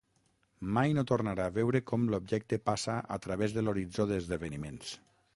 Mai no tornarà a veure com l'objecte passa a través de l'horitzó d'esdeveniments.